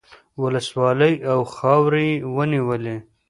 ولسوالۍ او خاورې یې ونیولې.